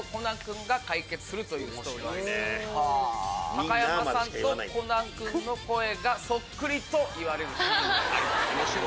高山さんとコナンくんの声がそっくりと言われるシーンがあります。